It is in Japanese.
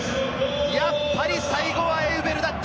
やっぱり最後はエウベルだった。